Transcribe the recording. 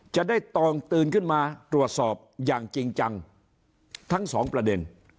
จะได้ตองตื่นขึ้นมาตรวจสอบอย่างจริงจังทั้งสองประเด็น